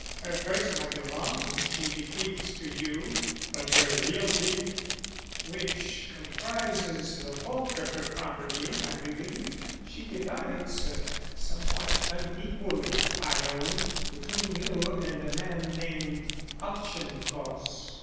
Her personal belongings she bequeaths to you; but her realty, which comprises the bulk of her property I believe, she divides, somewhat unequally I own, between you and a man named Auchincloss.